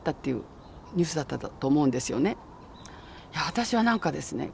私は何かですね